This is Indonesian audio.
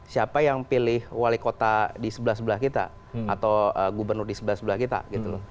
siapa yang pilih wali kota di sebelah sebelah kita atau gubernur di sebelah sebelah kita gitu loh